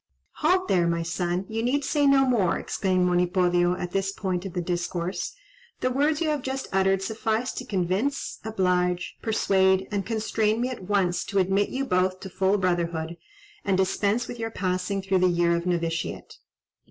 "Halt there, my son; you need say no more," exclaimed Monipodio at this point of the discourse. "The words you have just uttered suffice to convince, oblige, persuade, and constrain me at once to admit you both to full brotherhood, and dispense with your passing through the year of novitiate."